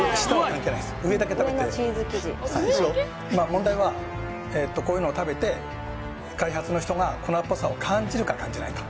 問題はえーとこういうのを食べて開発の人が粉っぽさを感じるか感じないか